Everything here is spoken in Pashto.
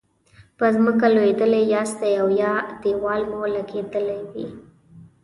په ځمکه لویدلي یاستئ او یا دیوال مو لګیدلی وي.